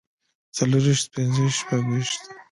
څلورويشت پنځويشت شپږويشت